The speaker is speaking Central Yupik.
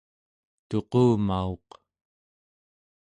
tuqumauq